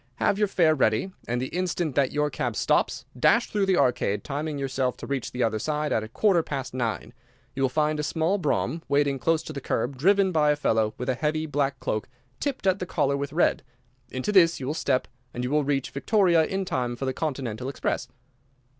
Have your fare ready, and the instant that your cab stops, dash through the Arcade, timing yourself to reach the other side at a quarter past nine. You will find a small brougham waiting close to the curb, driven by a fellow with a heavy black cloak tipped at the collar with red. Into this you will step, and you will reach Victoria in time for the Continental express."